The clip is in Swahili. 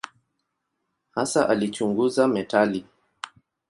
Hasa alichunguza metali.